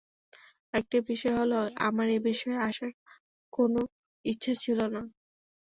আরেকটি বিষয় হলো, আমার এবিষয়ে আসার কোনো ইচ্ছা ছিল না।